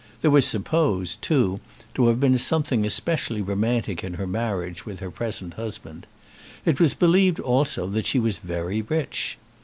There was supposed, too, to have been something especially romantic in her marriage with her present husband. It was believed also that she was very rich.